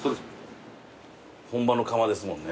本場の窯ですもんね。